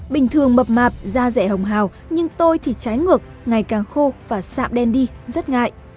bình thường mập mạp da rẻ hồng hào nhưng tôi thì trái ngược ngày càng khô và sạm đen đi rất ngại